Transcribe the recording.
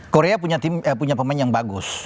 korea punya pemain yang bagus